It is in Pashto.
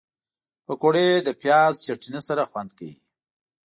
پکورې له پیاز چټني سره خوند کوي